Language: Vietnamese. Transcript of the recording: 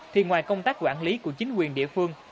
thì ngoài công tác quản lý của chính quyền địa phương